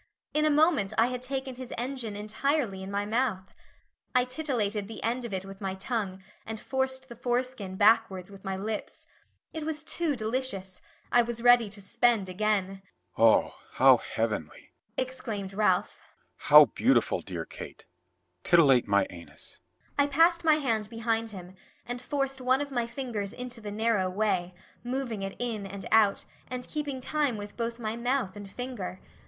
In a moment I had taken his engine entirely in my mouth. I titillated the end of it with my tongue and forced the foreskin backwards with my lips. It was too delicious I was ready to spend again. "Oh, how heavenly!" exclaimed Ralph. "How beautiful, dear Kate, titillate my anus." I passed my hand behind him, and forced one of my fingers into the narrow way, moving it in and out, and keeping time with both my mouth and finger.